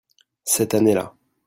Cette année-là.